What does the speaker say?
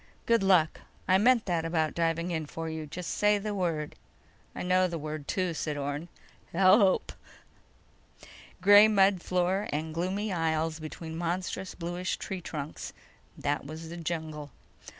"Good luck. I meant that about diving in for you. Just say the word." "I know the word, too," said Orne. "HELP!" Gray mud floor and gloomy aisles between monstrous bluish tree trunks—that was the jungle.